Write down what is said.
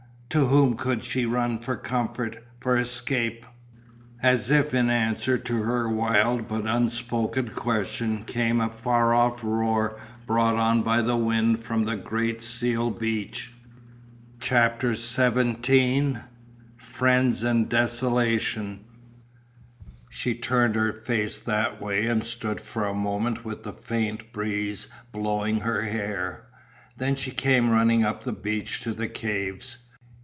To whom could she run for comfort, for escape ? As if in answer to her wild but unspoken question came a far off roar brought on the wind from the great seal beach. CHAPTER XVII FRIENDS IN DESOLATION She turned her face that way and stood for a moment with the faint breeze blowing her hair. Then she came running up the beach to the caves.